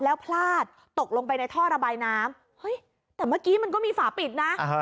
แล้วพลาดตกลงไปในท่อระบายน้ำเฮ้ยแต่เมื่อกี้มันก็มีฝาปิดนะ